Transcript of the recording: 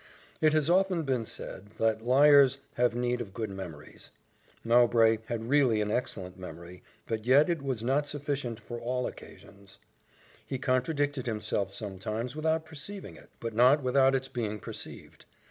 It has often been said, that liars have need of good memories. Mowbray had really an excellent memory, but yet it was not sufficient for all his occasions. He contradicted himself sometimes without perceiving it, but not without its being perceived.